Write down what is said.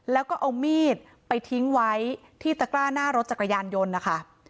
แล้วก็เอามีดไปทิ้งไว้ที่ตะกร้าหน้ารถจักรยานยนต์นะคะ